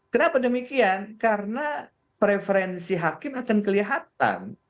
kenapa demikian karena preferensi hakim akan kelihatan